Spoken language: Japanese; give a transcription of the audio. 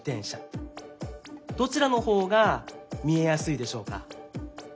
どちらのほうがみえやすいでしょうか？